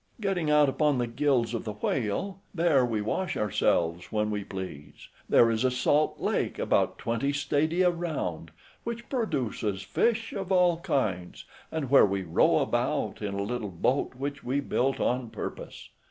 Getting out upon the gills of the whale, there we wash ourselves when we please. There is a salt lake, about twenty stadia round, which produces fish of all kinds, and where we row about in a little boat which we built on purpose.